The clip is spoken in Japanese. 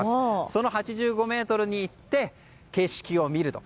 その８５ｍに行って景色を見ると。